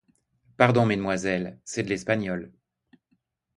Pardon, mesdemoiselles, c'est de l'espagnol.